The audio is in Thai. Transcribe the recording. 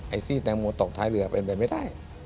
ซี่แตงโมตกท้ายเรือเป็นไปไม่ได้